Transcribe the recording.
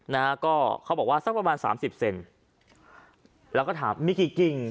นะฮะก็เขาบอกว่าสักประมาณสามสิบเซนแล้วก็ถามมีกี่กิ่ง